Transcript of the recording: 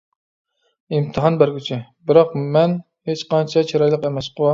ئىمتىھان بەرگۈچى : بىراق، مەن ھېچقانچە چىرايلىق ئەمەسقۇ!